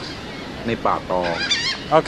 ในป่าตอง